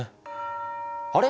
あれ？